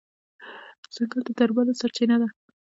ځنګل د درملو سرچینه ده.